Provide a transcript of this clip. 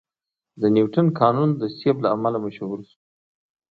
د نیوتن قانون د سیب له امله مشهور شو.